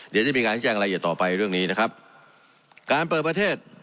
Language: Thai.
เดี๋ยวจะมีการแจ้งรายละเอียดต่อไปเรื่องนี้นะครับการเปิดประเทศ